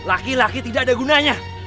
laki laki tidak ada gunanya